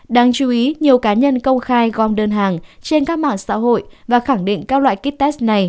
đáng chú ý nhiều cá nhân công khai gom đơn hàng trên các mạng xã hội và khẳng định các loại kites này